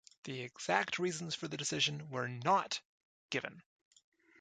The exact reasons for the decision were not given.